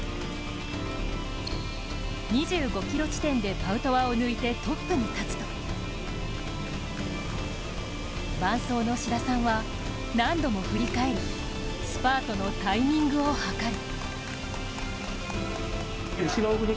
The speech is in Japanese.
２５キロ地点でパウトワを抜いてトップに立つと伴走の志田さんは何度も振り返りスパートのタイミングを図る。